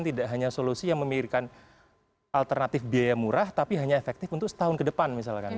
tidak hanya solusi yang memikirkan alternatif biaya murah tapi hanya efektif untuk setahun ke depan misalkan